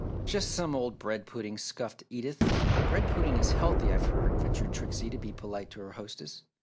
"Just some old bread pudding!" scoffed Edith. "Bread pudding is healthy, I've heard," ventured Trixie to be polite to her hostess.